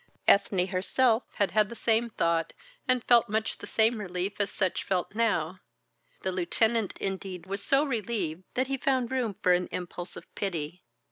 Ethne herself had had the same thought and felt much the same relief as Sutch felt now. The lieutenant, indeed, was so relieved that he found room for an impulse of pity.